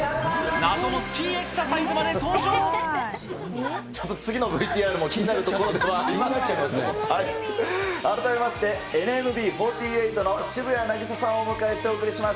謎のスキーエクササイズまでちょっと次のＶＴＲも気になるところではありますが、改めまして、ＮＭＢ４８の渋谷凪咲さんをお迎えしてお送りします。